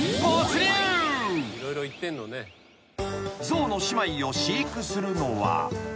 ［象の姉妹を飼育するのは］